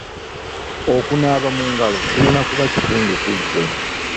Okunaaba mu ngalo kirina kuba kitundu ku ggwe.